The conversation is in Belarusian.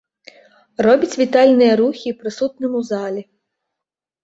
Робіць вітальныя рухі прысутным у залі.